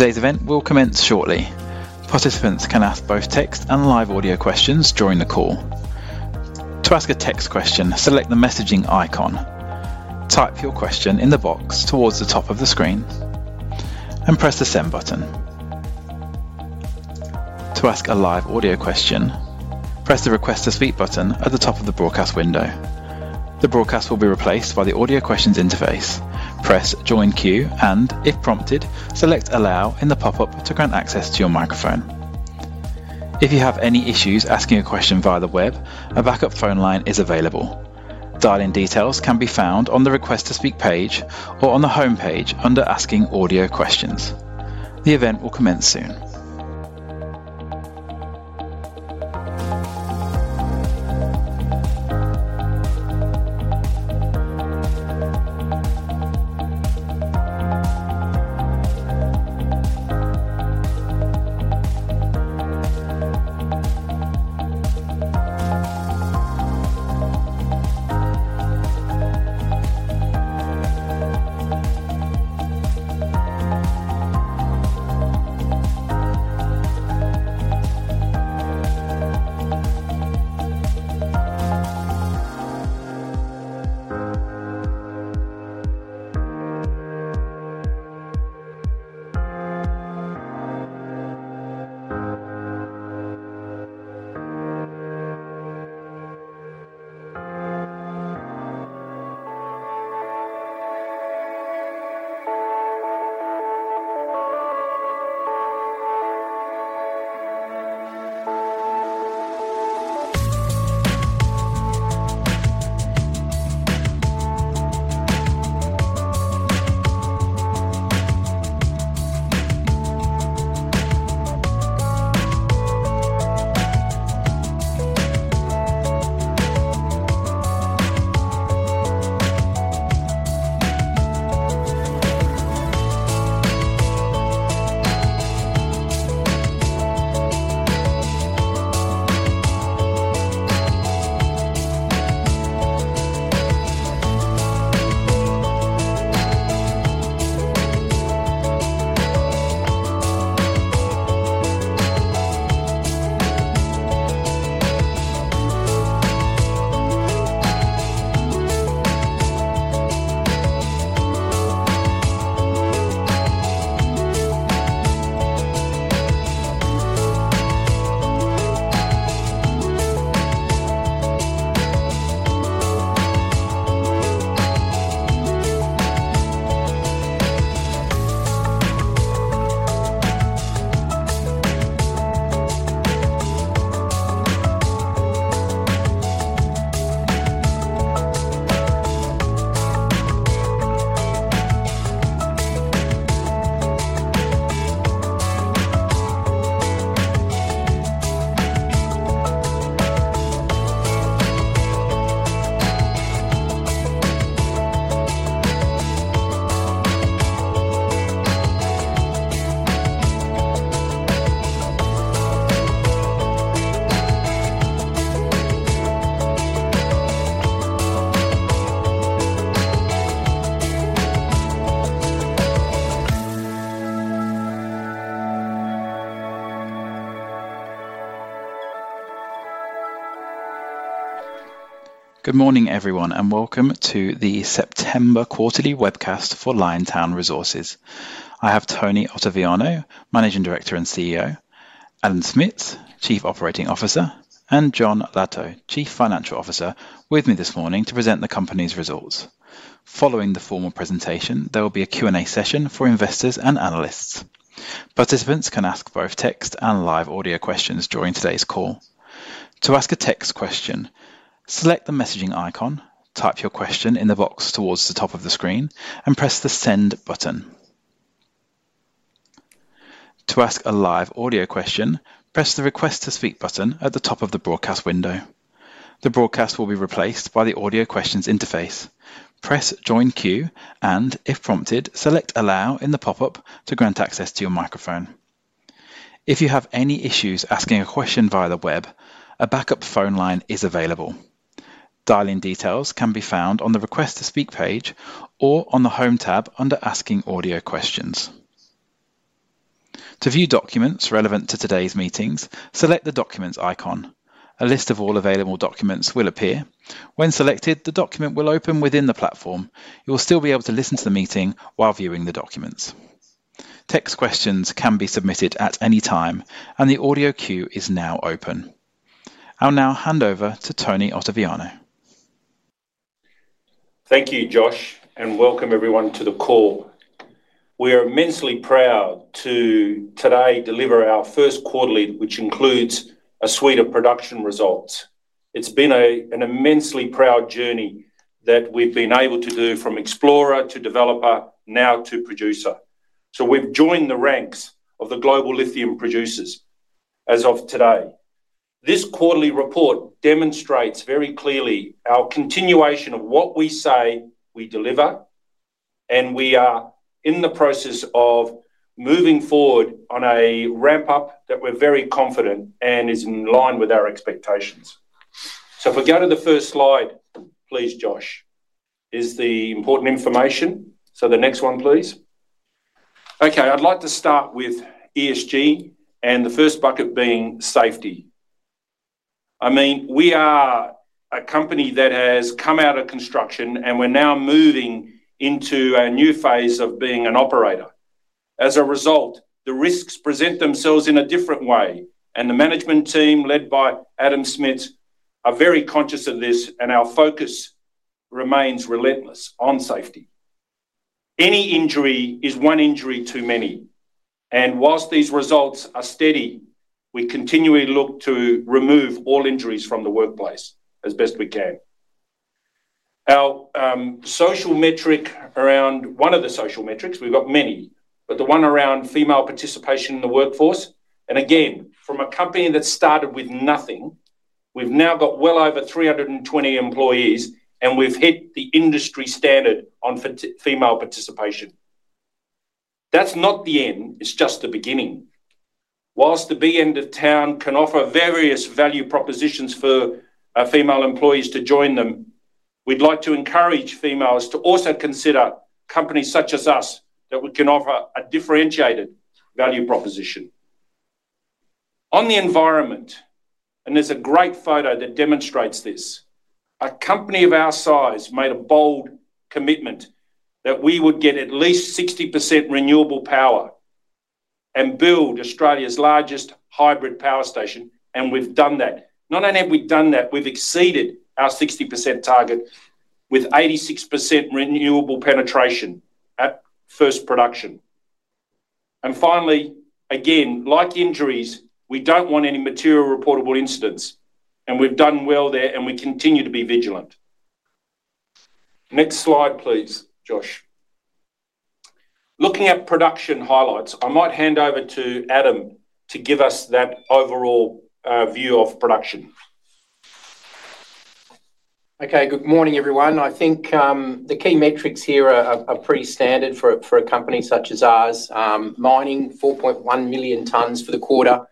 Today's event will commence shortly. Participants can ask both text and live audio questions during the call. To ask a text question, select the messaging icon, type your question in the box towards the top of the screen and press the Send button. To ask a live audio question, press the Request to Speak button at the top of the broadcast window. The broadcast will be replaced by the Audio Questions interface. Press Join Queue and if prompted, select Allow in the pop-up to grant access to your microphone. If you have any issues asking a question via the web, a backup phone line is available. Dial in. Details can be found on the Request to Speak page or on the Home page under Asking Audio Questions. The event will commence soon. Good morning everyone and welcome to the September quarterly webcast for Liontown Resources. I have Tony Ottaviano, Managing Director and CEO; Adam Smits, Chief Operating Officer; and Jon Latto, Chief Financial Officer with me this morning to present the company's results. Following the formal presentation, there will be a Q and A session for investors and analysts. Participants can ask both text and live audio questions during today's call. To ask a text question, select the messaging icon, type your question in the box towards the top of the screen and press the Send button. To ask a live audio question, press the Request to Speak button at the top of the broadcast window. The broadcast will be replaced by the Audio Questions interface. Press Join Queue and if prompted, select Allow in the pop up to grant access to your microphone. If you have any issues asking a question via the web, a backup phone line is available. Dial in. Details can be found on the Request to Speak page or on the Home tab under Asking Audio Questions. To view documents relevant to today's meetings, select the Documents icon. A list of all available documents will appear. When selected, the document will open within the platform. You will still be able to listen to the meeting while viewing the documents. Text questions can be submitted at any time and the audio queue is now open. I'll now hand over to Tony Ottaviano. Thank you, Josh, and welcome everyone to the call. We are immensely proud to today deliver our first quarterly, which includes a suite of production results. It's been an immensely proud journey that we've been able to do from explorer to developer, now to producer. So we've joined the ranks of the global lithium producers as of today. This quarterly report demonstrates very clearly our continuation of what we say we deliver, and we are in the process of moving forward on a ramp up that we're very confident and is in line with our expectations. So if we go to the first slide, please, Josh. This is the important information. So the next one, please. Okay, I'd like to start with ESG and the first bucket being safety. I mean, we are a company that has come out of construction and we're now moving into a new phase of being an operator. As a result, the risks present themselves in a different way and the management team led by Adam Smits are very conscious of this, and our focus remains relentless on safety. Any injury is one injury too many and while these results are steady, we continually look to remove all injuries from the workplace as best we can. Our social metric around one of the social metrics, we've got many, but the one around female participation in the workforce, and again, from a company that started with nothing, we've now got well over 320 employees and we've hit the industry standard on female participation. That's not the end, it's just the beginning. While the big end of town can offer various value propositions for female employees to join them, we'd like to encourage females to also consider companies such as us that we can offer a differentiated value proposition on the environment. There's a great photo that demonstrates this. A company of our size made a bold commitment that we would get at least 60% renewable power and build Australia's largest hybrid power station. We've done that. Not only have we done that, we've exceeded our 60% target with 86% renewable penetration at first production. Finally, again, like injuries, we don't want any material reportable incidents and we've done well there and we continue to be vigilant. Next slide, please, Josh. Looking at production highlights, I might hand over to Adam to give us that overall view of production. Okay, good morning, everyone. I think the key metrics here are pretty standard for a company such as ours. Mining 4.1 million tonnes for the quarter.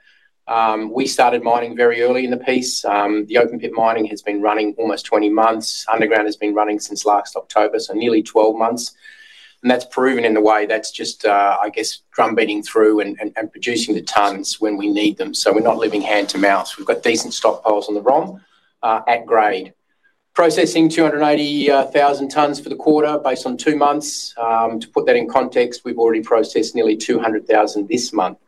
We started mining very early in the piece. The open pit mining has been running almost 20 months underground, has been running since last October, so nearly 12 months, and that's proven in the way that's just, I guess, drumbeating through and producing the tonnes when we need them, so we're not living hand to mouth. We've got decent stockpiles on the ROM at grade, processing 280,000 tonnes for the quarter based on two months. To put that in context, we've already processed nearly 200,000 this month,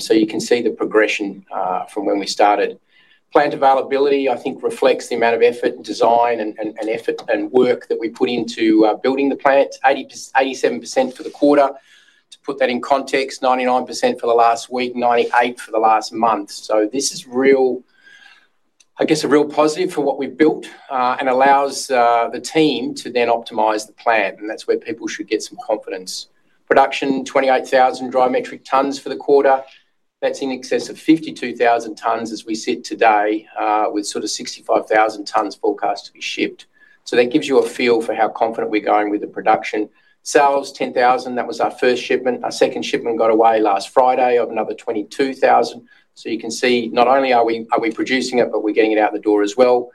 so you can see the progression from when we started. Plant availability, I think, reflects the amount of effort, design and effort and work that we put into building the plant. 80%, 87% for the quarter. To put that in context, 99% for the last week, 98% for the last month. So this is real, I guess, a real positive for what we've built and allows the team to then optimize the plant. And that's where people should get some confidence. Production 28,000 dry metric tonnes for the quarter. That's in excess of 52,000 tonnes as we sit today with sort of 65,000 tonnes forecast to be shipped. So that gives you a feel for how confident we're going with the production sales. 10,000. That was our first shipment. Our second shipment got away last Friday of another 22,000. So you can see not only are we producing it, but we're getting it out the door as well.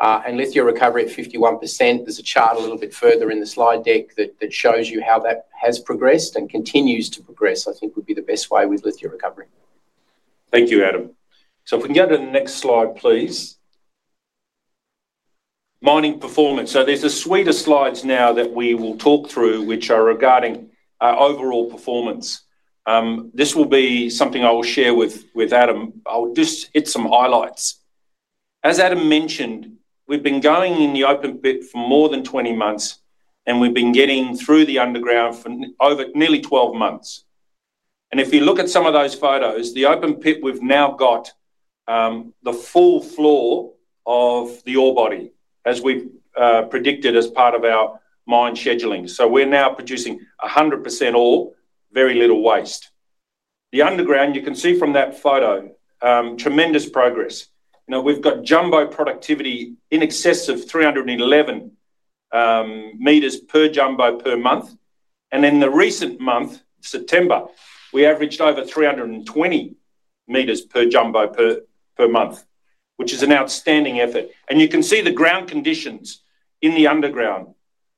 And lithia recovery at 51%. There's a chart a little bit further in the slide deck that shows you how that has progressed and continues to progress, I think, would be the best way with Lithia recovery. Thank you, Adam. So if we can go to the next slide, please. Mining performance. So there's a suite of slides now that we will talk through, which are regarding overall performance. This will be something I will share with Adam. I'll just hit some highlights. As Adam mentioned, we've been going in the open pit for more than 20 months and we've been getting through the underground for over nearly 12 months, and if you look at some of those photos, the open pit, we've now got the full floor of the ore body, as we predicted as part of our mine scheduling, so we're now producing 100% ore. Very little waste. The underground. You can see from that photo, tremendous progress. You know, we've got jumbo productivity in excess of 311 meters per jumbo per month. In the recent month, September, we averaged over 320 meters per jumbo per month, which is an outstanding effort. You can see the ground conditions in the underground.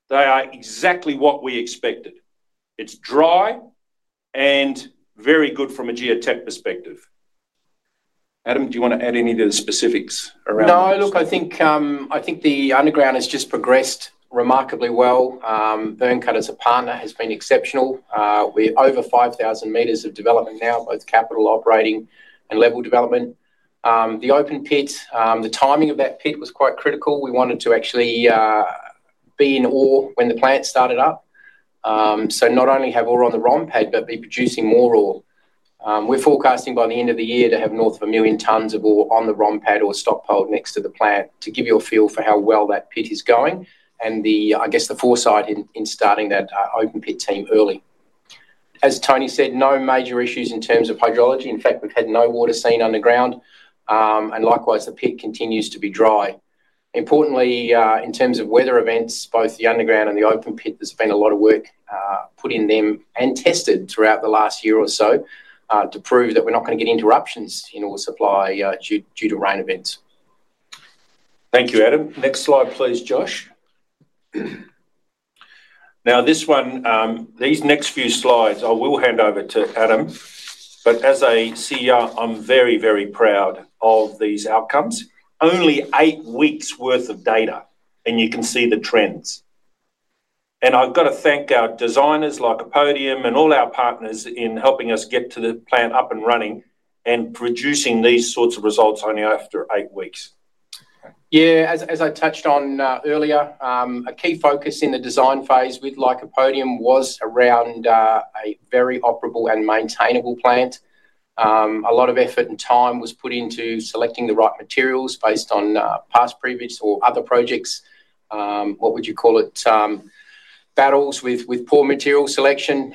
They are exactly what we expected. It's dry and very good from a geotech perspective. Adam, do you want to add any to the specifics? No, look, I think the underground has just progressed remarkably well. Byrnecut as a partner has been exceptional. We're over 5,000 meters of development now, both capital operating level development, the open pit. The timing of that pit was quite critical. We wanted to actually be in ore when the plant started up, so not only have ore on the ROM pad, but be producing more ore. We're forecasting by the end of the year to have north of a million tonnes of ore on the ROM pad or stockpile next to the plant to give you a feel for how well that pit is going and I guess the foresight in starting that open pit team early. As Tony said, no major issues in terms of hydrology. In fact, we've had no water seen underground and likewise the pit continues to be dry. Importantly, in terms of weather events, both the underground and the open pit, there's been a lot of work put in them and tested throughout the last year or so to prove that we're not going to get interruptions in ore supply due to rain events. Thank you, Adam. Next slide, please, Josh. Now, this one, these next few slides I will hand over to Adam. But as a CEO, I'm very, very proud of these outcomes. Only eight weeks' worth of data and you can see the trends, and I've got to thank our designers, Lycopodium, and all our partners in helping us get the plant up and running and producing these sorts of results. Only after eight weeks. Yeah. As I touched on earlier, a key focus in the design phase with Lycopodium was around a very operable and maintainable plant. A lot of effort and time was put into selecting the right materials based on past, previous or other projects. What would you call it? Battles with poor material selection.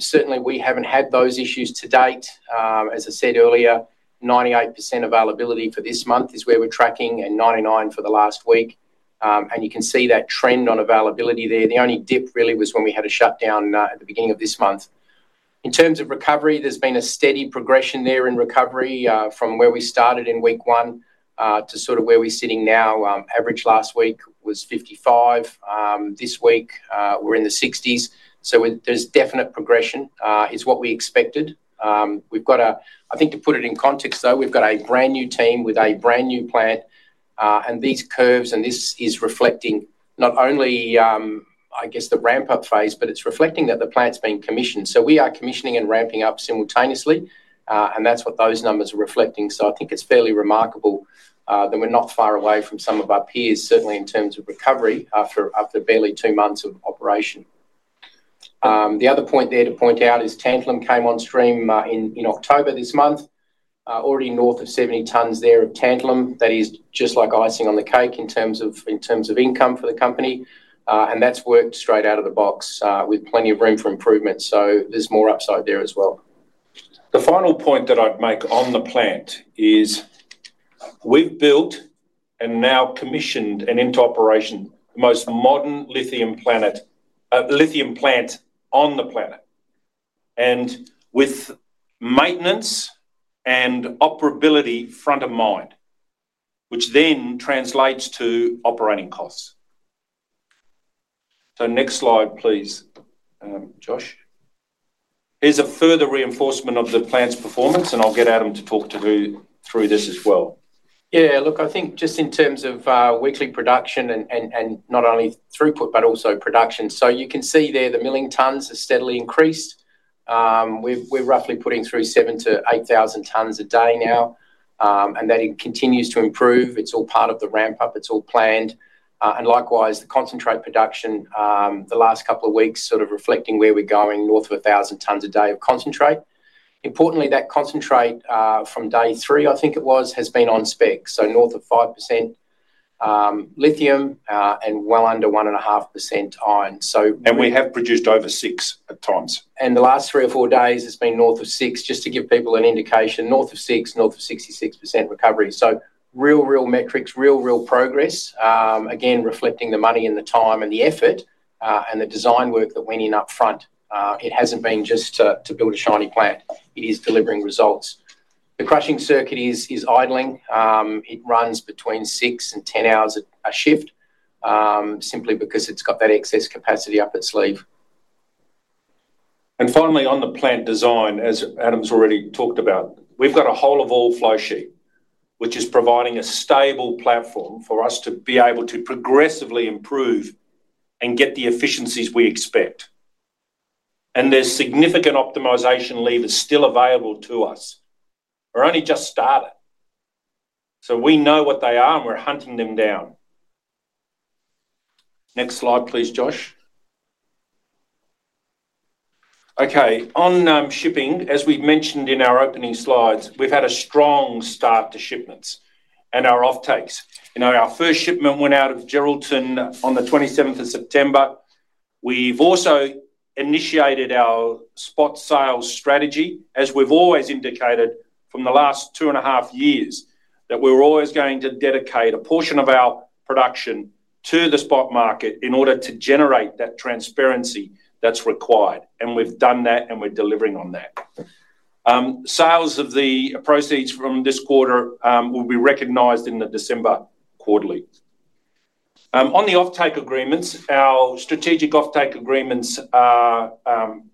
Certainly we haven't had those issues to date. As I said earlier, 98% availability for this month is where we're tracking and 99% for the last week. And you can see that trend on availability there. The only dip really was when we had a shutdown at the beginning of this month. In terms of recovery, there's been a steady progression there in recovery from where we started in week one to sort of where we're sitting now. Average last week was 55%. This week we're in the 60s%. So there's definite progression is what we expected. We've got. I think to put it in context though, we've got a brand new team with a brand new plant and these curves. And this is reflecting not only, I guess, the ramp up phase, but it's reflecting that the plant's been commissioned. So we are commissioning and ramping up simultaneously. And that's what those numbers are reflecting. So I think it's fairly remarkable that we're not far away from some of our peers, certainly in terms of recovery after barely two months of operation. The other point there to point out is tantalum came on stream in October this month, already north of 70 tonnes there of tantalum. That is just like icing on the cake in terms of income for the company and that's worked straight out of the box with plenty of room for improvement. So there's more upside there as well. The final point that I'd make on the plant is we've built and now commissioned an operation, the most modern lithium processing plant on the planet, with maintenance and operability front of mind, which then translates to operating costs. Next slide, please, Josh. Here's a further reinforcement of the plant's performance, and I'll get Adam to talk us through this as well. Yeah, look, I think just in terms of weekly production and not only throughput but also production. So you can see there, the milling tonnes are steadily increased. We're roughly putting through 7-8,000 tonnes a day now and that continues to improve. It's all part of the ramp up, it's all planned. And likewise the concentrate production the last couple of weeks sort of reflecting where we're going. North of a thousand tonnes a day of concentrate. Importantly, that concentrate from day three, I think it was, has been on spec. So north of 5% lithium and well under 1.5% iron. We have produced over six at times. The last three or four days it's been north of 60, just to give people an indication. North of 60, north of 66% recovery. So real, real metrics, real, real progress again reflecting the money and the time and the effort and the design work that went in up front. It hasn't been just to build a shiny plant, it is delivering results. The crushing circuit is idling, it runs between six and 10 hours a shift simply because it's got that excess capacity up its sleeve. Finally, on the plant design, as Adam's already talked about, we've got a whole of all flow sheet which is providing a stable platform for us to be able to progressively improve and get the efficiencies we expect. There's significant optimization levers still available to us. We're only just started, so we know what they are and we're hunting them down. Next slide please, Josh. Okay, on shipping, as we've mentioned in our opening slides, we've had a strong start to shipments and our offtakes. You know, our first shipment went out of Geraldton on the 27th of September. We've also initiated our spot sales strategy as we've always indicated from the last two and a half years, that we were always going to dedicate a portion of our production to the spot market in order to generate that transparency that's required and we've done that and we're delivering on that. Sales of the proceeds from this quarter will be recognized in the December quarterly on the offtake agreements, our strategic offtake agreements.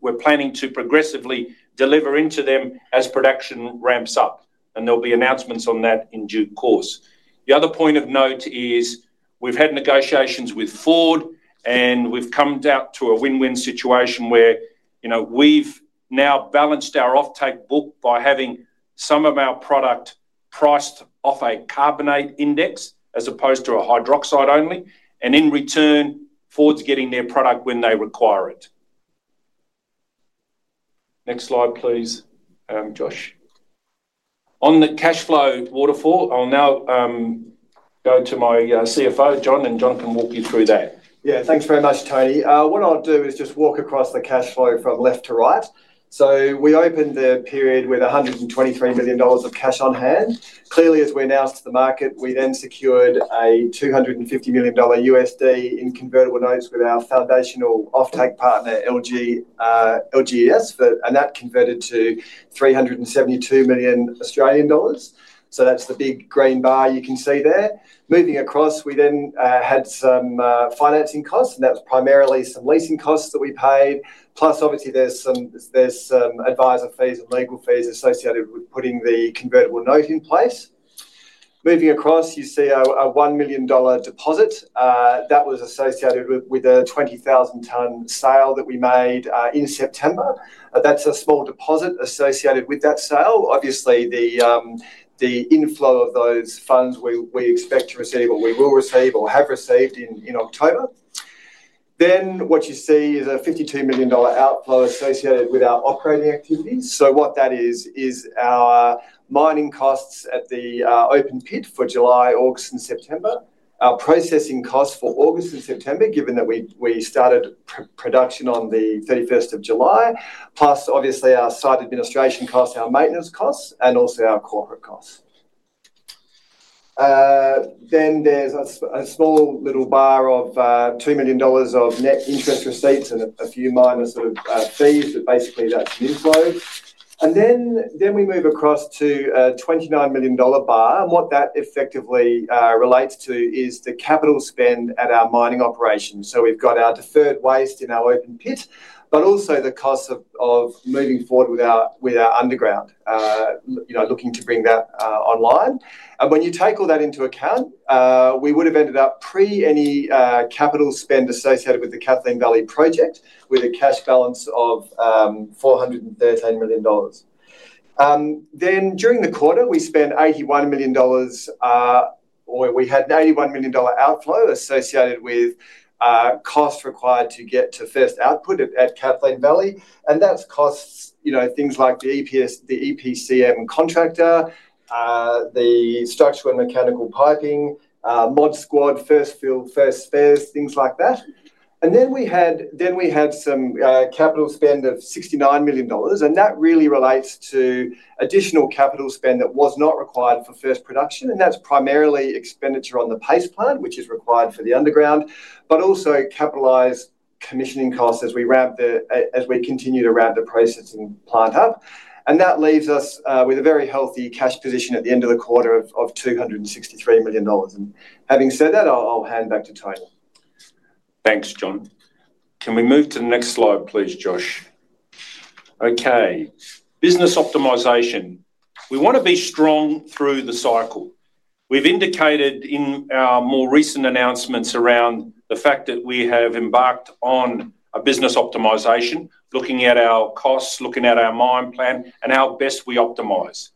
We're planning to progressively deliver into them as production ramps up, and there'll be announcements on that in due course. The other point of note is we've had negotiations with Ford and we've come out to a win-win situation where, you know, we've now balanced our offtake book by having some of our product priced off a carbonate index as opposed to a hydroxide only. And in return, Ford's getting their product when they require it. Next slide, please, Josh, on the cash flow waterfall. I'll now go to my CFO, Jon, and Jon can walk you through that. Yeah, thanks very much, Tony. What I'll do is just walk across the cash flow from left to right. So we opened the period with 123 million dollars of cash on hand, clearly, as we announced the market. We then secured a $250 million USD in convertible notes with our foundational offtake partner, LGES, and that converted to 372 million Australian dollars. So that's the big green bar you can see there. Moving across, we then had some financing costs and that's primarily some leasing costs that we paid. Plus obviously there's some adviser fees and legal fees associated with putting the convertible note in place. Moving across, you see a 1 million dollar deposit that was associated with a 20,000 tonne sale that we made in September. That's a small deposit associated with that sale. Obviously the inflow of those funds we expect to receive or we will receive or have. Then what you see is an 52 million dollar outflow associated with our operating activities. So what that is is our mining costs at the open pit for July, August and September, our processing costs for August and September, given that we started production on the 31st of July, plus obviously our site administration costs, our maintenance costs and also our corporate costs. Then there's a small little bar of 2 million dollars of net interest receipts and a few minor sort of fees, but basically that's an inflow and then we move across to an 29 million dollar bar. And what that effectively relates to is the capital spend at our mining operations. So we've got our deferred waste in our open pit, but also the cost of moving forward with our underground, you know, looking to bring that online. When you take all that into account, we would have ended up pre any capital spend associated with the Kathleen Valley project with a cash balance of 413 million dollars. Then during the quarter we spent 81 million dollars or we had an 81 million dollar outflow associated with costs required to get to first output at Kathleen Valley. And that's costs. You know, things like the EPCs, the EPCM contractor, the structural and mechanical piping mod squad, first fill, first spares, things like that. And then we had some capital spend of 69 million dollars. And that really relates to additional capital spend that was not required for first production. And that's primarily expenditure on the paste plant, which is required for the underground, but also capitalized commissioning costs as we continue to ramp the processing plant up. And that leaves us with a very healthy cash position at the end of the quarter of 263 million dollars. And having said that, I'll hand back to Tony. Thanks, Jon. Can we move to the next slide please, Josh? Okay. Business optimization. We want to be strong through the cycle. We've indicated in our more recent announcements around the fact that we have embarked on business optimization looking at our costs, looking at our mine plan and how best we optimize.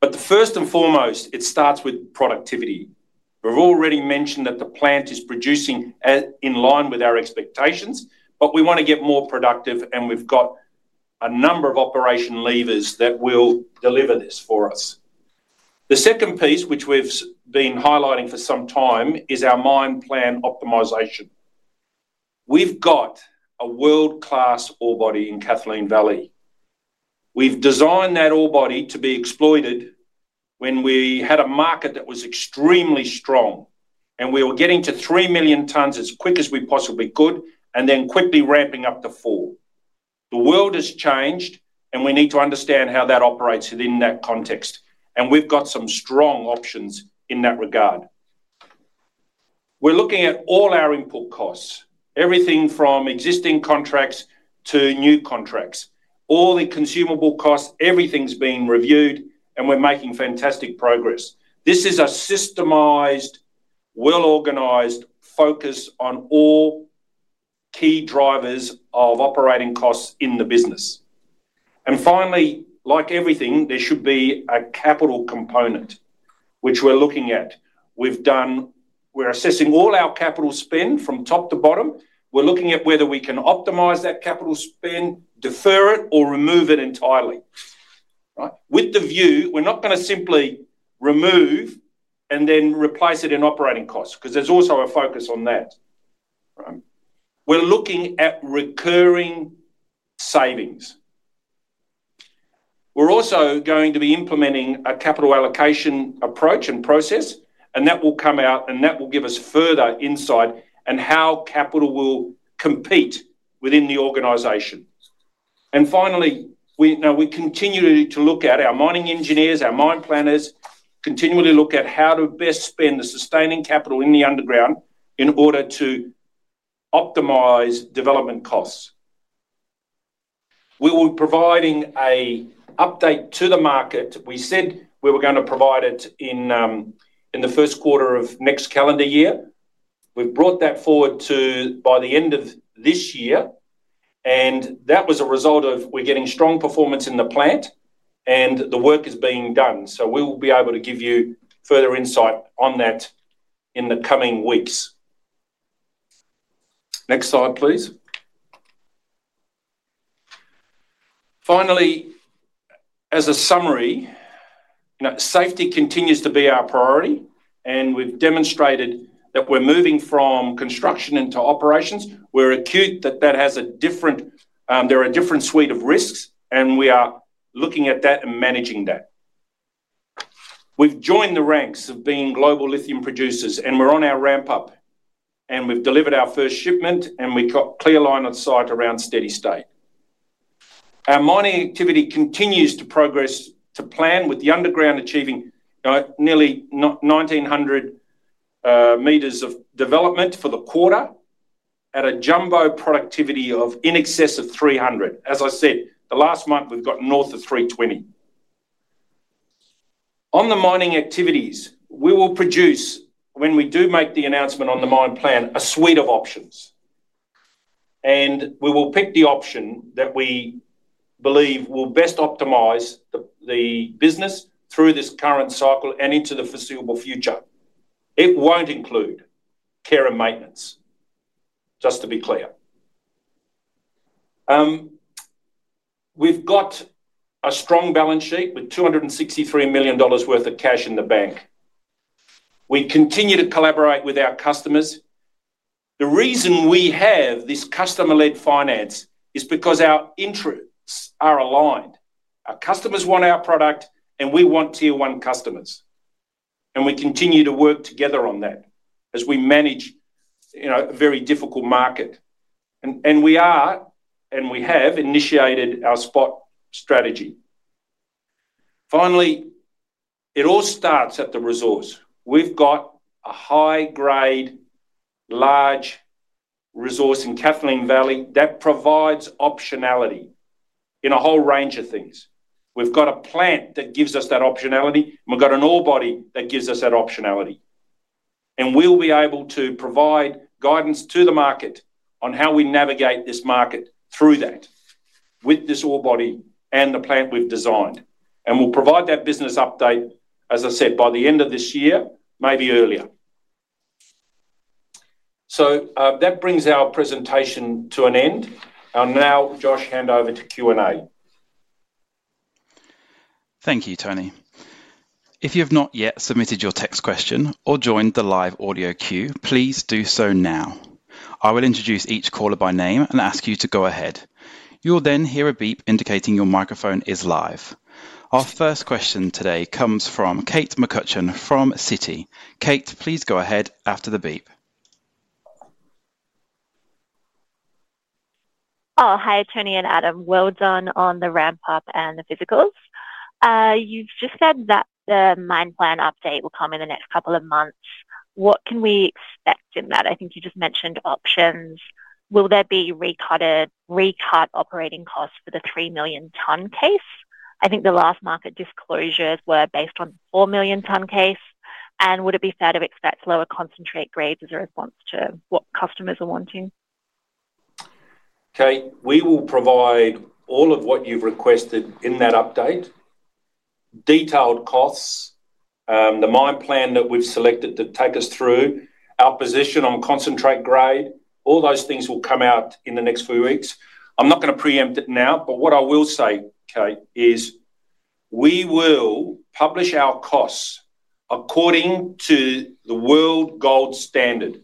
But first and foremost it starts with productivity. We've already mentioned that the plant is producing in line with our expectations, but we want to get more productive and we've got a number of operation levers that will deliver this for us. The second piece which we've been highlighting for some time is our mine plan optimization. We've got a world class ore body in Kathleen Valley. We've designed that ore body to be exploited when we had a market that was extremely strong and we were getting to three million tonnes as quick as we possibly could and then quickly ramping up to four. The world has changed and we need to understand how that operates within that context and we've got some strong options in that regard. We're looking at all our input costs, everything from existing contracts to new contracts, all the consumable costs. Everything's been reviewed and we're making fantastic progress. This is a systemized, well organized focus on all key drivers of operating costs in the business. And finally, like everything, there should be a capital component which we're looking at. We're assessing all our capital spend from top to bottom. We're looking at whether we can optimize that capital spend, defer it or remove it entirely. With the view we're not going to simply remove and then replace it in operating costs because there's also a focus on that. We're looking at recurring savings. We're also going to be implementing a capital allocation approach and process and that will come out and that will give us further insight and how capital will compete within the organization. And finally we know we continue to look at our mining engineers, our mine planners continually look at how to best spend the sustaining capital in the underground. In order to optimize development costs. We will providing a update to the market. We said we were going to provide it in the first quarter of next calendar year. We've brought that forward to the end of this year. And that was a result of we're getting strong performance in the plant and the work is being done. So we will be able to give you further insight on that in the coming weeks. Next slide please. Finally, as a summary, safety continues to be our priority. And we've demonstrated that we're moving from construction into operations. We're aware that that has a different. There are a different suite of risks. And we are looking at that and managing that. We've joined the ranks of being global lithium producers. And we're on our ramp up and we've delivered our first shipment. And we got clear line of sight around steady state. Our mining activity continues to progress to plan. With the underground achieving nearly 1900 meters of development for the quarter at a jumbo productivity of in excess of 300. As I said last month we've got north of 320 on the mining activities we will produce. When we do make the announcement on the mine plan, a suite of options, and we will pick the option that we believe will best optimize the business through this current cycle and into the foreseeable future. It won't include care and maintenance. Just to be clear, we've got a strong balance sheet with 263 million dollars worth of cash in the bank. We continue to collaborate with our customers. The reason we have this customer-led finance is because our interests are aligned. Our customers want our product and we want tier-one customers. And we continue to work together on that as we manage a very difficult market, and we are, and we have initiated our spot strategy. Finally, it all starts at the resource. We've got a high-grade large resource in Kathleen Valley that provides optionality in a whole range of things. We've got a plant that gives us that optionality. And we've got an ore body that gives us that optionality. And we will be able to provide guidance to the market on how we navigate this market through that with this ore body and the plant we've designed. And we'll provide that business update. As I said by the end of this year, maybe earlier. So that brings our presentation to an end. I'll now, Josh, hand over to Q and A. Thank you, Tony. If you have not yet submitted your text question or joined the live audio queue, please do so now. I will introduce each caller by name and ask you to go ahead. You will then hear a beep indicating your microphone is live. Our first question today comes from Kate McCutcheon from Citi. Kate, please go ahead after the beep. Oh, hi Tony and Adam, well done on the ramp up and the physicals. You've just said that the mine plan update will come in the next couple of months. What can we expect in that? I think you just mentioned options. Will there be recut operating costs for the 3 million tonne case? I think the last market disclosures were based on 4 million tonne case. And would it be fair to expect lower concentrate grades as a response to what customers are wanting? Okay, we will provide all of what you've requested in that update. Detailed costs, the mine plan that we've selected to take us through our position on concentrate grade. All those things will come out in the next few weeks. I'm not going to preempt it now, but what I will say, Kate, is we will publish our costs according to the world gold standard.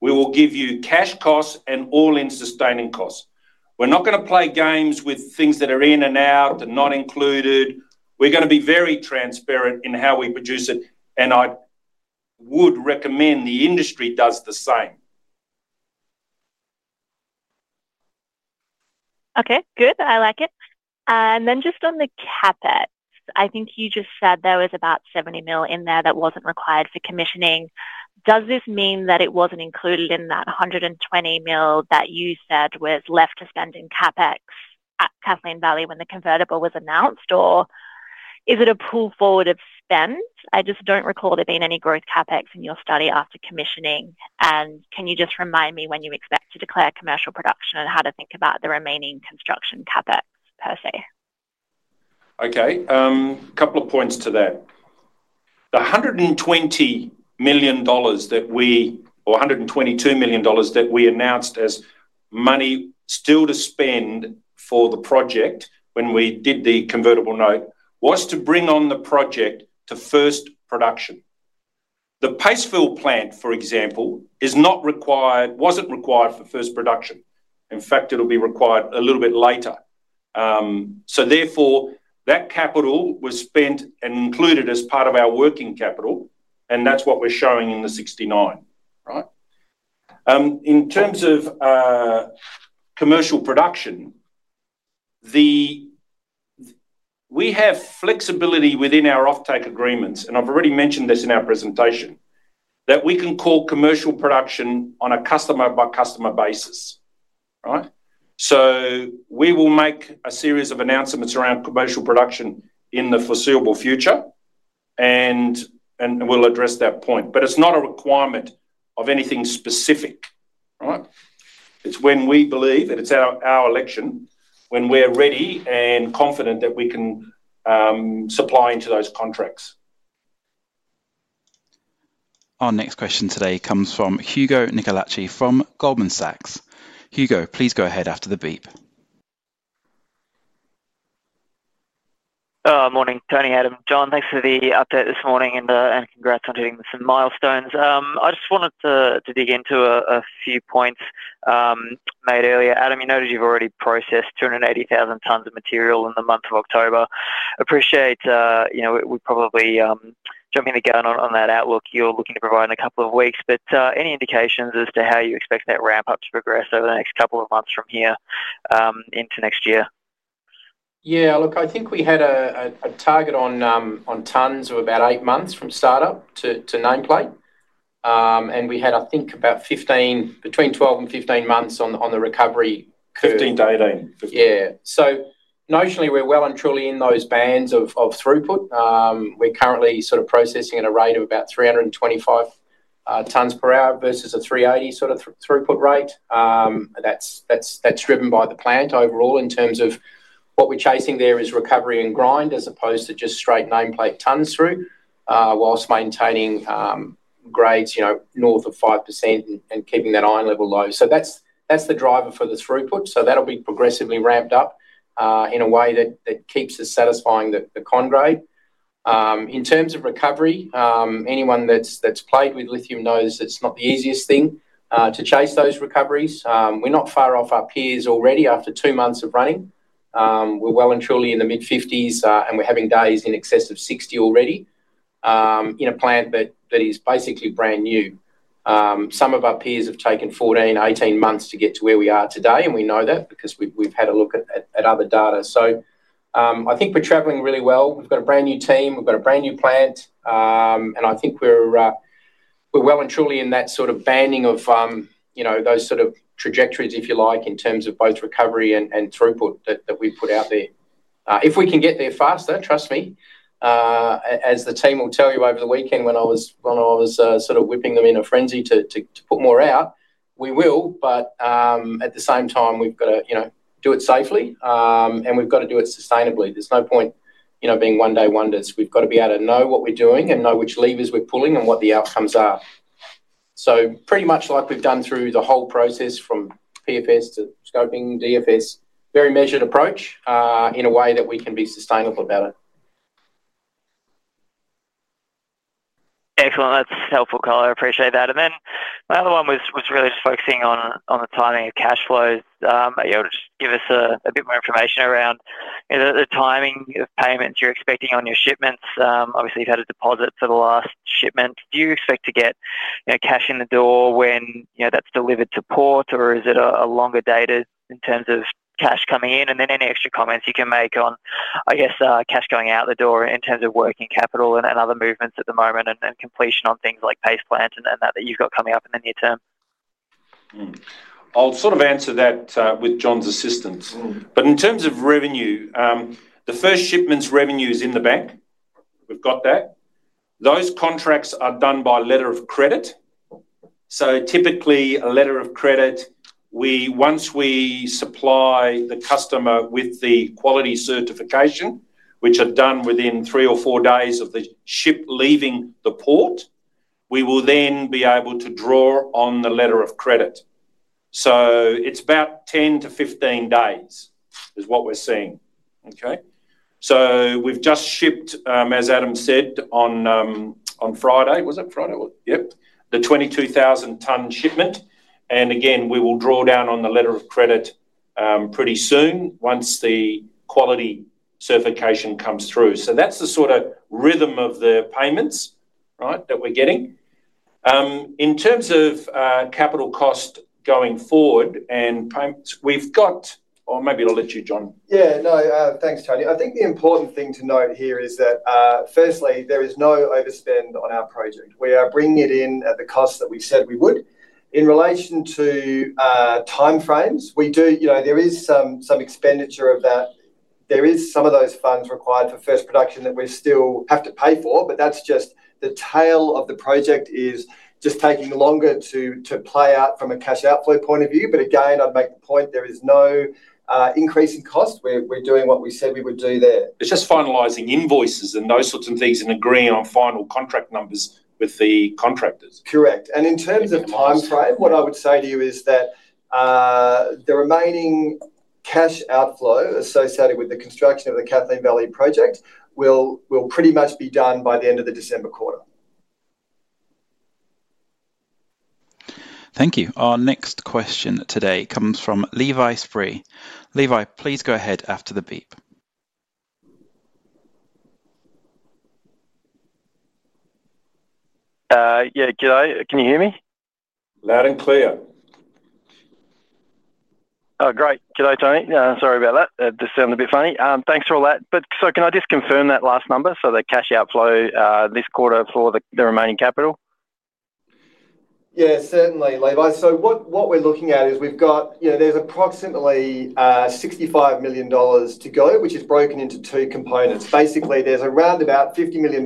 We will give you cash costs and all in sustaining costs. We're not going to play games with things that are in and out and not included. We're going to be very transparent in how we produce it and I would recommend the industry does the same. Okay, good. I like it. And then just on the CapEx, I think you just said there was about 70 million in there that wasn't required for commissioning. Does this mean that it wasn't included in that 120 million that you said was left to spend in CapEx at Kathleen Valley when the convertible was announced? Or is it a pull forward of spend? I just don't recall there being any growth CapEx in your study after commissioning. And can you just remind me when you expect to declare commercial production and how to think about the remaining construction CapEx per se? Okay, a couple of points to that. The 120 million dollars that we or 122 million dollars that we announced as money still to spend for the project. When we did the convertible note was to bring on the project to first production. The paste plant for example is not required. Wasn't required for first production. In fact it'll be required a little bit later. So therefore that capital was spent and included as part of our working capital. And that's what we're showing in the 69. Right. In terms of commercial production, we have flexibility within our offtake agreements and I've already mentioned this in our presentation, that we can call commercial production on a customer by customer basis. So we will make a series of announcements around commercial production in the foreseeable future and we'll address that point. But it's not a requirement of anything specific. It's when we believe that it's our election, when we're ready and confident that we can supply into those contracts. Our next question today comes from Hugo Nicolaci from Goldman Sachs. Hugo, please go ahead after the beep. Morning, Tony, Adam, Jon, thanks for the update this morning and congrats on hitting some milestones. I just wanted to dig into a few points made earlier. Adam, you noted you've already processed 280,000 tons of material in the month of October. Appreciate, you know, we probably jumping the gun on that outlook you're looking to provide in a couple of weeks, but any indications as to how you expect that ramp up to progress over the next couple of months from here into next year? Yeah, look, I think we had a target on tonnes of about eight months from startup to nameplate, and we had I think about 15, between 12 and 15 months on the recovery curve. 15-18. Yeah. So notionally we're well and truly in those bands of throughput. We're currently sort of processing at a rate of about 324 tonnes per hour, versus a 380 sort of throughput rate that's driven by the plant overall in terms of what we're chasing there is recovery and grind as opposed to just straight nameplate tonnes through whilst maintaining grades north of 5% and keeping that iron level low. So that's the driver for the throughput. So that'll be progressively ramped up in a way that keeps us satisfying the con grade in terms of recovery. Anyone that's played with lithium knows it's not the easiest thing to chase those recoveries. We're not far off our peers already. After two months of running, we're well and truly in the mid-50s and we're having days in excess of 60 already in a plant that is basically brand new. Some of our peers have taken 14, 18 months to get to where we are today and we know that because we've had a look at other data. So I think we're traveling really well. We've got a brand new team, we've got a brand new plant and I think we're well and truly in that sort of banding of those sort of trajectories, if you like, in terms of both recovery and throughput that we put out there, if we can get there faster. Trust me, as the team will tell you over the weekend, when I was sort of whipping them in a frenzy to put more out, we will. But at the same time we've got to do it safely and we've got to do it sustainably. There's no point, you know, being one day wonders. We've got to be able to know what we're doing and know which levers we're pulling and what the outcomes are. So pretty much like we've done through the whole process from PFS to scoping DFS. Very measured approach in a way that we can be sustainable about it. Excellent, that's helpful, color, I appreciate that. And then my other one was really just focusing on the timing of cash flows. Just give us a bit more information around the timing of payments you're expecting on your shipments. Obviously you've had a deposit for the last shipment. Do you expect to get cash in the door when that's delivered to port or is it a longer dated in terms of cash coming in? And then any extra comments you can make on I guess cash going out the door in terms of working capital and other movements at the moment and completion on things like paste plant and that you've got coming up in the near term. I'll sort of answer that with Jon's assistance. But in terms of revenue, the first shipment's revenue is in the bank. We've got that those contracts are done by letter of credit. So typically a letter of credit, once we supply the customer with the quality certification, which are done within three or four days of the ship leaving the port, we will then be able to draw on the letter of credit. So it's about 10-15 days is what we're seeing. Okay, so we've just shipped, as Adam said, on Friday. Was it Friday? Yep, the 22,000-ton shipment. And again we will draw down on the letter of credit pretty soon once the quality certification comes through. So that's the sort of rhythm of the payments, right, that we're getting in terms of capital cost going forward. And we've got. Or maybe I'll let you, Jon. Yeah, no thanks, Tony. I think the important thing to note here is that firstly, there is no overspend on our project. We are bringing it in at the cost that we said we would. In relation to time frames, we do, you know, there is some expenditure of that there is some of those funds required for first production that we still have to pay for. But that's just the tail of the project is just taking longer to play out from a cash outflow point of view. But again, I'd make the point. There is no increase in cost. We're doing what we said we would do there. It's just finalizing invoices and those sorts of things and agreeing on final contract numbers with the contractors. Correct. And in terms of time frame, what I would say to you is that the remaining cash outflow associated with the construction of the Kathleen Valley project will pretty much be done by the end of the December quarter. Thank you. Our next question today comes from Levi Spry. Levi, please go ahead after the beep. Yeah, G'day. Can you hear me? Loud and clear. Oh, great. G'day, Tony. Sorry about that, this sounded a bit funny. Thanks for all that, but so can I just confirm that last number? So the cash outflow this quarter for the remaining capital. Yeah, certainly, Levi. So what we're looking at is we've got, there's approximately $65 million to go, which is broken into two components. Basically there's around about $50 million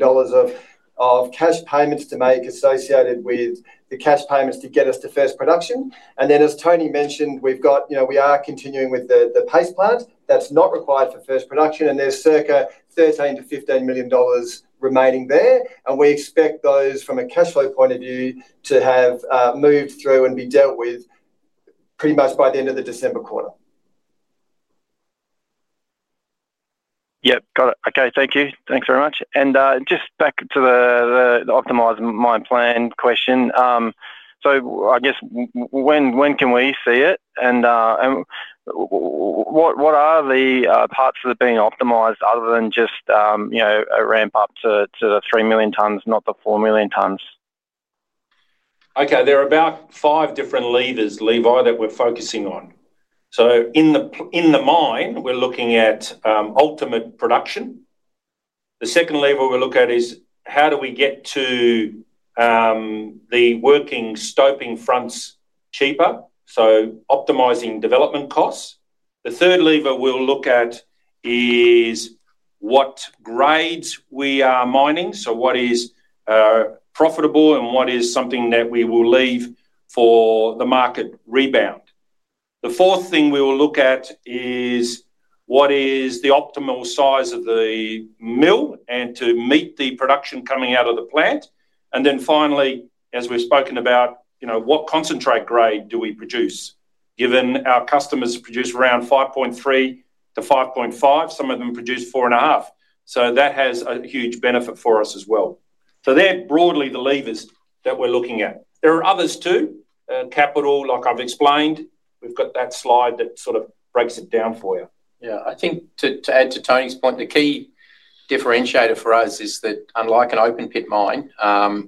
of cash payments to make associated with the cash payments to get us to first production. And then as Tony mentioned, we've got, you know, we are continuing with the paste plant that's not required for first production. And there's circa 13-15 million dollars remaining there. And we expect those from a cash flow point of view to have moved through and be dealt with pretty much by the end of the December quarter. Yep, got it. Okay, thank you. Thanks very much. And just back to the optimized mine plan question. So I guess when can we see it and what are the parts that are being optimized other than just, you know, a ramp up to the 3 million tonnes, not the 4 million tonnes. Okay. There are about five different levers, Levi, that we're focusing on. So in the mine we're looking at ultimate production. The second lever we look at is how do we get to the working stoping fronts cheaper, so optimizing development costs. The third lever we'll look at is what grades we are mining. So what is profitable and what is something that we will leave for the market rebound. The fourth thing we will look at is what is the optimal size of the mill and to meet the production coming out of the plant. And then finally, as we've spoken about, you know, what concentrate grade do we produce given our customers produce around 5.3-5.5. Some of them produce four and a half, so that has a huge benefit for us as well. So they're broadly the levers that we're looking at. There are others too. Capital, like I've explained, we've got that slide that sort of breaks it down for you. Yeah. I think to add to Tony's point, the key differentiator for us is that unlike an open pit mine,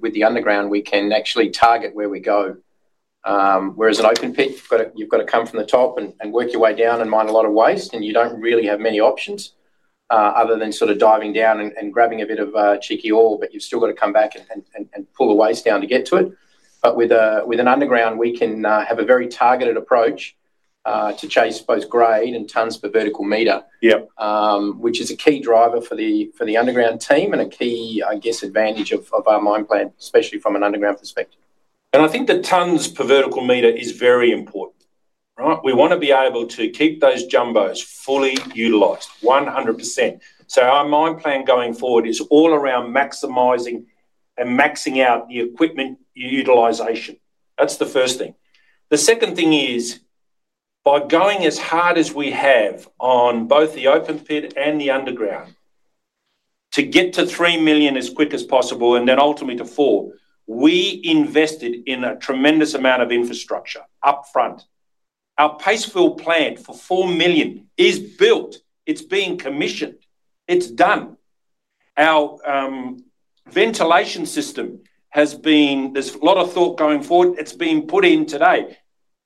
with the underground we can actually target where we go. Whereas an open pit, you've got to come from the top and work your way down and mine a lot of waste and you don't really have many options other than sort of diving down and grabbing a bit of cheeky ore. But you've still got to come back and pull the waste down to get to it. But with an underground, we can have a very targeted approach to chase both grade and tonnes per vertical metre, which is a key driver for the underground team and a key, I guess, advantage of our mine plan, especially from an underground perspective. I think the tonnes per vertical meter is very important. We want to be able to keep those jumbos fully utilized 100%. So our mine plan going forward is all around maximizing and maxing out the equipment utilization. That's the first thing. The second thing is by going as hard as we have on both the open pit and the underground to get to 3 million as quick as possible and then ultimately to 4. We invested in a tremendous amount of infrastructure up front. Our paste fill plant for 4 million is built, it's being commissioned, it's done. Our ventilation system has been. There's a lot of thought going forward. It's been put in today,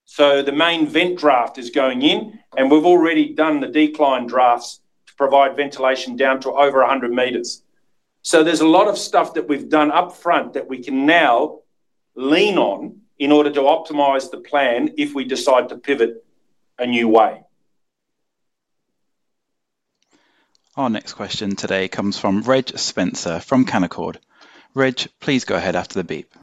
so the main vent shaft is going in and we've already done the decline shafts to provide ventilation down to over 100 meters. So there's a lot of stuff that we've done up front that we can now lean on in order to optimize the plan if we decide to pivot a new way. Our next question today comes from Reg Spencer from Canaccord. Reg, please go ahead after the beep.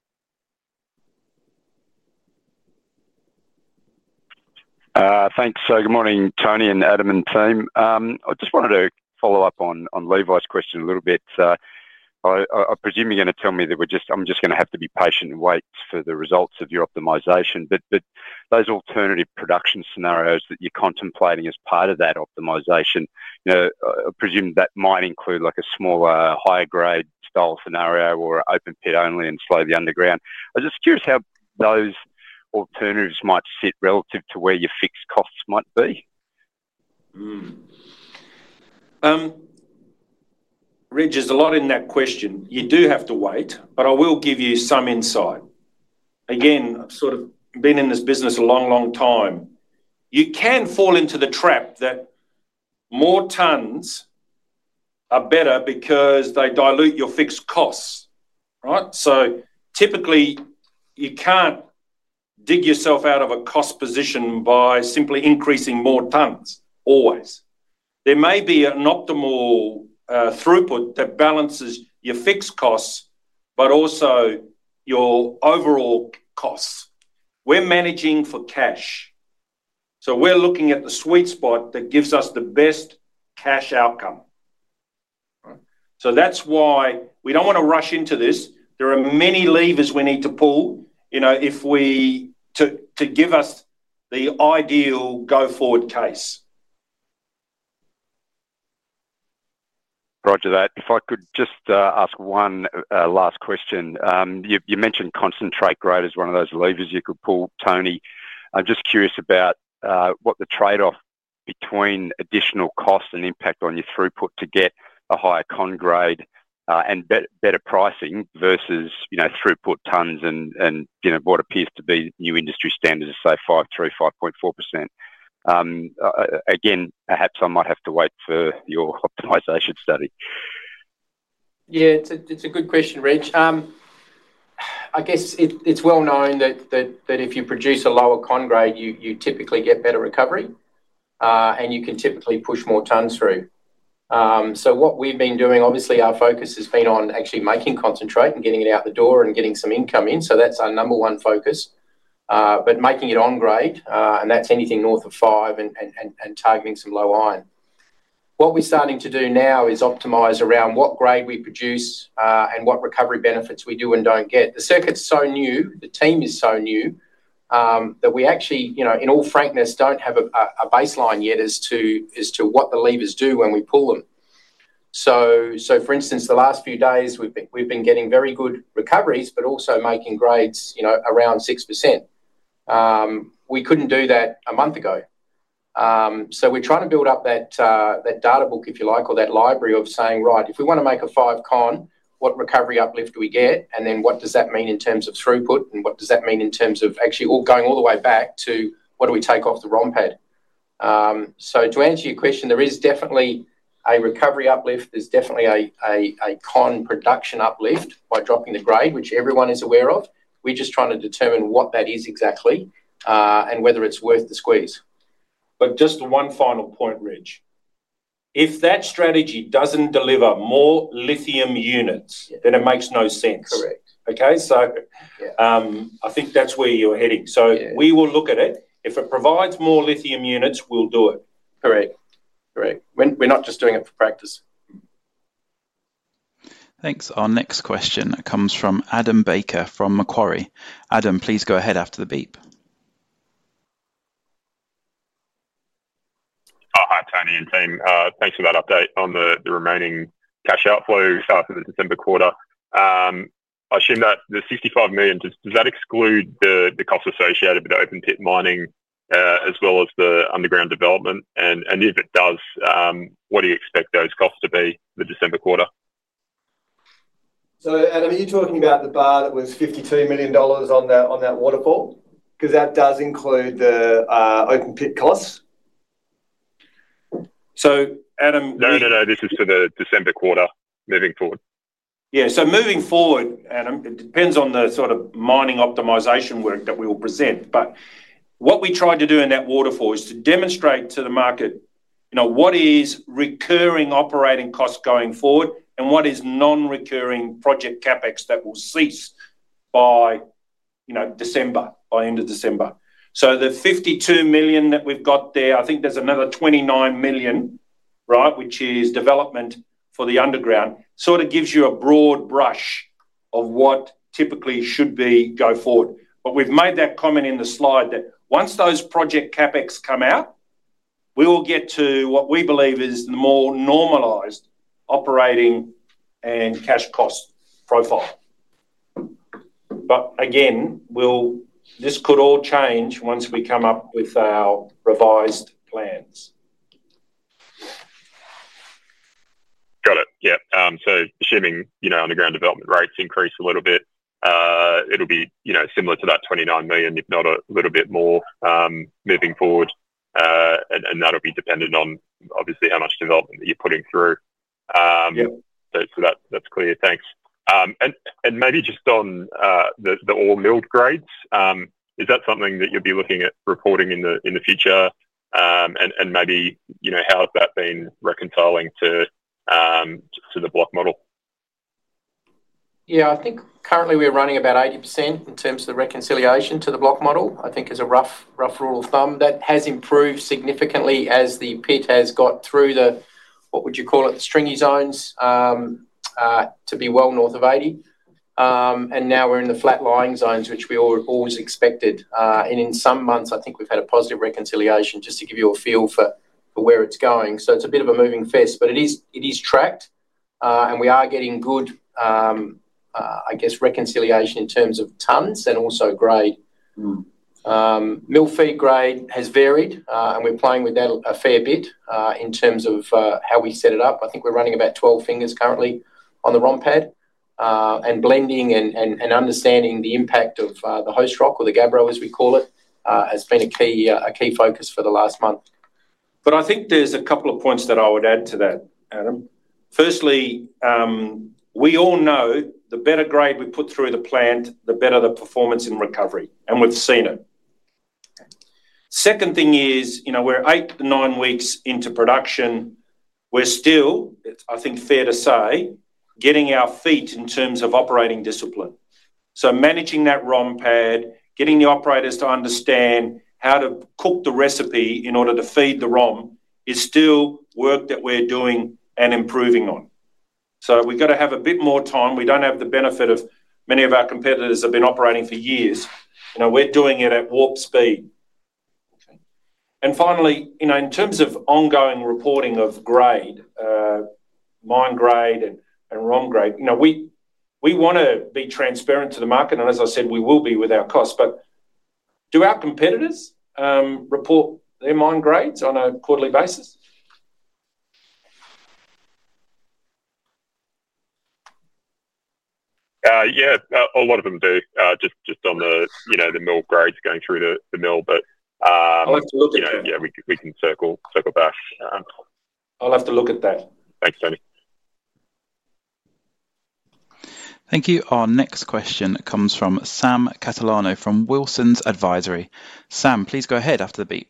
Thanks. Good morning, Tony and Adam and team. I just wanted to follow up on Levi's question a little bit. I presume you're going to tell me that I'm just going to have to be patient and wait for the results of your optimization. But those alternative production scenarios that you're contemplating as part of that optimization, I presume that might include like a smaller, higher grade style scenario or open pit only and slow the underground. I was just curious how those alternatives might sit relative to where your fixed costs might be. Reg, there's a lot in that question. You do have to wait. But I will give you some insight again. I've sort of been in this business a long, long time. You can fall into the trap that more tons are better because they dilute your fixed costs, right? So typically you can't dig yourself out of a cost position by simply increasing more tons overall. There may be an optimal throughput that balances your fixed costs, but also your overall costs. We're managing for cash, so we're looking at the sweet spot that gives us the best cash outcome. So that's why we don't want to rush into this. There are many levers we need to pull, you know, if we to give us the ideal go-forward case. Roger that. If I could just ask one last question. You mentioned concentrate grade as one of those levers you could pull. Tony, I'm just curious about what the trade off between additional cost and impact on your throughput to get a higher con grade and better pricing versus throughput tonnes and what appears to be new industry standards. Say 5, 3, 5 again, perhaps I might have to wait for your optimization study. Yeah, it's a good question, Reg. I guess it's well known that if you produce a lower con grade, you typically get better recovery and you can typically push more tons through. So what we've been doing, obviously our focus has been on actually making concentrate and getting it out the door and getting some income in. So that's our number one focus, but making it on grade and that's anything north of five and targeting some low iron. What we're starting to do now is optimize around what grade we produce and what recovery benefits we do and don't get. The circuit's so new, the team is so new that we actually, you know, in all frankness, don't have a baseline yet as to what the levers do when we pull them. So, for instance, the last few days we've been getting very good recoveries, but also making grades, you know, around 6%. We couldn't do that a month ago. So we're trying to build up that data book, if you like, or that library of saying, right, if we want to make a 5 con, what recovery uplift do we get? And then what does that mean in terms of throughput and what does that mean in terms of actually going all the way back to what do we take off the ROM pad. So to answer your question, there is definitely a recovery uplift. There's definitely a con production uplift by dropping the grade, which everyone is aware of. We're just trying to determine what that is exactly and whether it's worth the squeeze. But just one final point, Reg. If that strategy doesn't deliver more lithium units, then it makes no sense. Okay, so I think that's where you're heading. So we will look at it. If it provides more lithium units, we'll do it. Correct. We're not just doing it for practice. Thanks. Our next question comes from Adam Baker from Macquarie. Adam, please go ahead after the beep. Hi Tony and team, thanks for that update on the remaining cash outflow starting the December quarter. I assume that the 65 million, does that exclude the cost associated with the open pit mining as well as the underground development? And if it does, what do you expect those costs to be? The December quarter. So, Adam, are you talking about the bar that was 52 million dollars on that, on that waterfall? Because that does include the open pit costs. So Adam. No, no, no, this is for the December quarter. Moving forward. Yeah. So moving forward, Adam, it depends on the sort of mining optimization work that we will present. But what we tried to do in that waterfall is to demonstrate to the market, you know, what is recurring operating cost going forward and what is non-recurring project CapEx that will cease by, you know, December, by end of December. So the 52 million that we've got there, I think there's another 29 million. Right. Which is development for the underground. Sort of gives you a broad brush of what typically should be go forward. But we've made that comment in the slide that once those project CapEx come out, we will get to what we believe is more normalized operating and cash cost profile. But again, this could all change once we come up with our revised plans. Got it. Yeah. So assuming, you know, underground development rates increase a little bit, it'll be similar to that 29 million, if not a little bit more moving forward. And that'll be dependent on obviously how much development that you're putting through. So that's clear. Thanks. And maybe just on the all milled grades. Is that something that you'd be looking at reporting in the future? And maybe how has that been reconciling to the block model? Yeah, I think currently we're running about 80% in terms of the reconciliation to the block model. I think is a rough rule of thumb that has improved significantly as the pit has got through the. What would you call it? The stringy zones to be well north of 80%. And now we're in the flat lying zones, which we always expected. And in some months I think we've had a positive reconciliation, just to give you a feel for where it's going. So it's a bit of a moving fest, but it is tracked and we are getting good, I guess, reconciliation in terms of tonnes. And also grade mill feed grade has varied and we're playing with that a fair bit in terms of how we set it up. I think we're running about 12 fingers currently on the ROM pad and blending and understanding the impact of the host rock, or the gabbro, as we call it, has been a key focus for the last month. But I think there's a couple of points that I would add to that, Adam. Firstly, we all know the better grade we put through the plant, the better the performance in recovery, and we've seen it. Second thing is, you know, we're eight, nine weeks into production. We're still, I think, fair to say, getting our feet in terms of operating discipline. So managing that ROM pad, getting the operators to understand how to cook the recipe in order to feed the ROM is still work that we're doing and improving on. So we've got to have a bit more time. We don't have the benefit of. Many of our competitors have been operating for years. We're doing it at warp speed. And finally, in terms of ongoing reporting of grade, mine grade and ROM grade, we. We want to be transparent to the market and as I said, we will be with our costs. But do our competitors report their mine grades on a quarterly basis? Yeah, a lot of them do, just on the, you know, the mill grades, going through the mill. But I'll have to look at that. Yeah, we can circle back. Have to look at that. Thanks, Tony. Thank you. Our next question comes from Sam Catalano from Wilsons Advisory. Sam, please go ahead after the beep.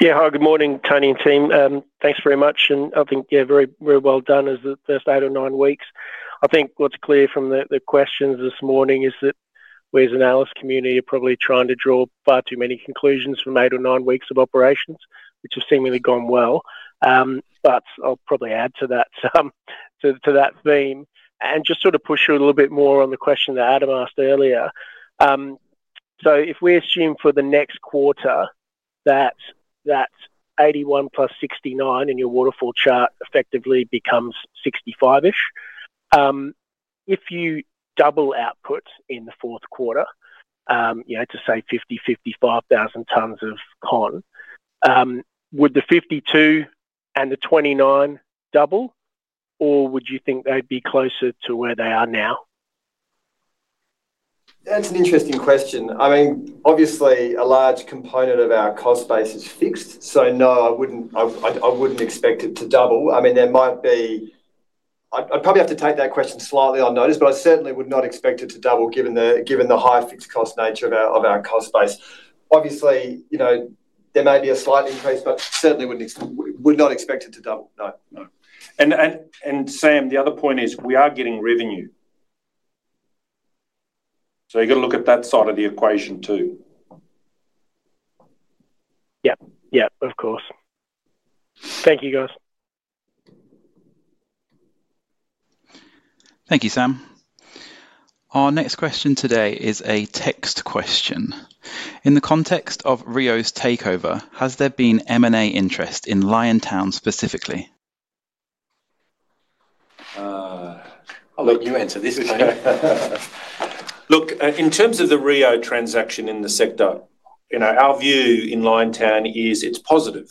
Yeah. Hi, good morning, Tony and team. Thanks very much and I think very well done as the first eight or nine weeks. I think what's clear from the questions this morning is that we as an analyst community are probably trying to draw far too many conclusions from eight or nine weeks of operations which have seemingly gone well. But I'll probably add to that theme and just sort of push you a little bit more on the question that Adam asked earlier. So if we assume for the next quarter that 81 plus 69 in your waterfall chart effectively becomes 65-ish if you double output in the fourth quarter to say 50-55,000 tonnes of con, would the 52 and the 29 double or would you think they'd be closer to where they are now? That's an interesting question. I mean, obviously a large component of our cost base is fixed, so no, I wouldn't expect it to double. I mean, there might be. I'd probably have to take that question slightly on notice, but I certainly would not expect it to double given the high fixed cost nature of our cost base. Obviously, you know, there may be a slight increase, but certainly would not expect it to double. No, no. And Sam, the other point is we are getting revenue, so you're going to look at that side of the equation too. Yep, yep, of course. Thank you, guys. Thank you, Sam. Our next question today is a text question. In the context of Rio's takeover, has there been M&A interest in Liontown specifically? I'll let you answer this. Look, in terms of the Rio transaction in the sector, our view in Liontown is it's positive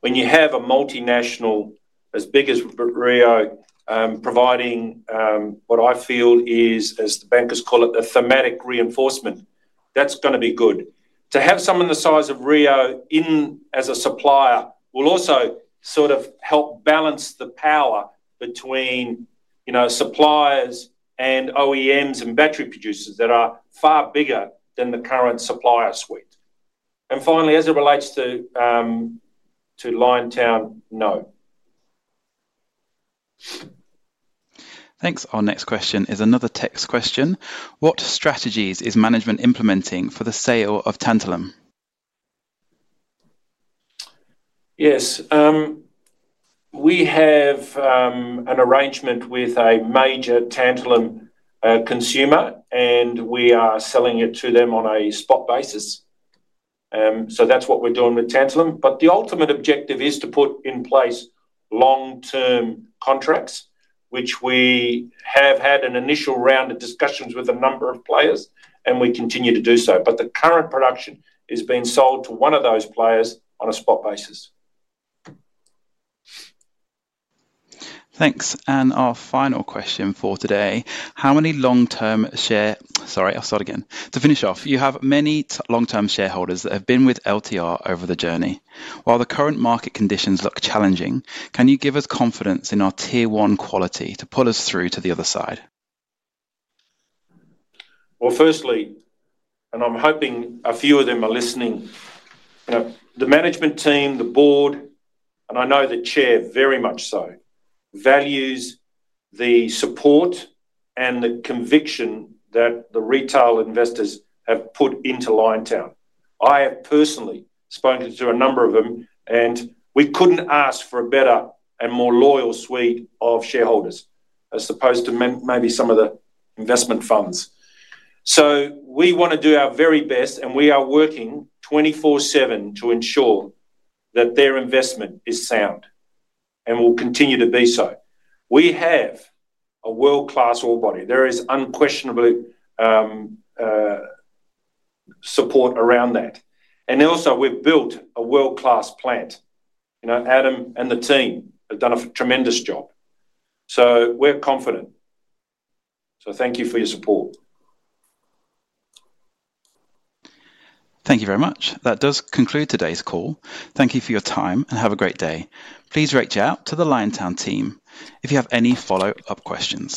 when you have a multinational as big as Rio providing what I feel is, as the bankers call it, the thematic reinforcement that's going to be good. To have someone the size of Rio in as a supplier will also sort of help balance the power between, you know, suppliers and OEMs and battery producers that are far bigger than the current supplier suite. And finally, as it relates to Liontown, no. Thanks. Our next question is another text question. What strategies is management implementing for the sale of Tantalum? Yes, we have an arrangement with a major tantalum consumer and we are selling it to them on a spot basis. So that's what we're doing with tantalum. But the ultimate objective is to put in place long-term contracts which we have had an initial round of discussions with a number of players and we continue to do so, but the current production is being sold to one of those players on a spot basis. Thanks. And our final question for today. To finish off, you have many long term shareholders that have been with LTR over the journey. While the current market conditions look challenging, can you give us confidence in our Tier one quality to pull us through to the other side? Firstly, and I'm hoping a few of them are listening, the management team, the board and I know the chair very much so values the support and the conviction that the retail investors have put into Liontown. I have personally spoken to a number of them and we couldn't ask for a better and more loyal suite of shareholders. As opposed to maybe some of the investment funds. So we want to do our very best and we are working 24/7 to ensure that their investment is sound and will continue to be so. We have a world-class ore body. There is unquestionably support around that. And also we've built a world-class plant. You know, Adam and the team have done a tremendous job. So we're confident. So thank you for your support. Thank you very much. That does conclude today's call. Thank you for your time and have a great day. Please reach out to the Liontown team if you have any follow up questions.